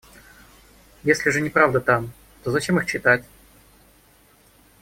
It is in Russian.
Если же неправда там, то зачем их читать?